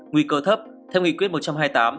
nguy cơ thấp theo nghị quyết một trăm hai mươi tám